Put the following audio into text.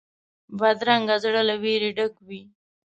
بدرنګه زړه له وېرې ډک وي